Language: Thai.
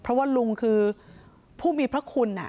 เพราะว่าลุงคือผู้มีพระคุณ